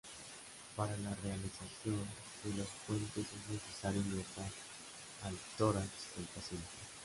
Para la realización de los puentes es necesario ingresar al tórax del paciente.